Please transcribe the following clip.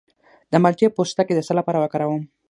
د مالټې پوستکی د څه لپاره وکاروم؟